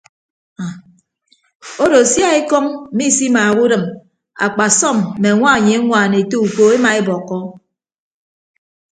Odo sia ekọñ misimaaha udịm akpasọm mme añwanyi ñwaan ete uko emaebọkkọ.